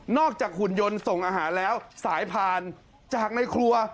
จากหุ่นยนต์ส่งอาหารแล้วสายผ่านจากในครัว